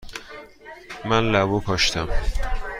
من لبو کاشتم.